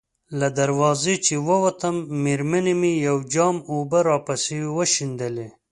له دروازې چې ووتم، مېرمنې مې یو جام اوبه راپسې وشیندلې.